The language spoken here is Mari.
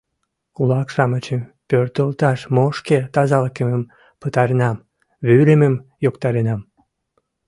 Кулак-шамычым пӧртылташ мо шке тазалыкемым пытаренам, вӱремым йоктаренам?